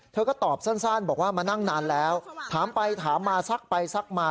เธอก็ตอบสั้นบอกว่ามานั่งนานแล้วถามไปถามมาซักไปซักมา